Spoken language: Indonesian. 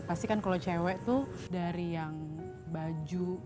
pasti kan kalau cewek tuh dari yang baju